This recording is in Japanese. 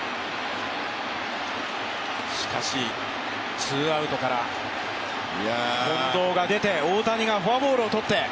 しかし、ツーアウトから近藤が出て大谷がフォアボールをとって。